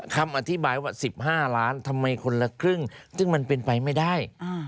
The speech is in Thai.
คำอธิบายว่า๑๕ล้านทำไมคนละครึ่งซึ่งมันเป็นไปไม่ได้